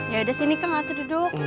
yaudah sini kang atu duduk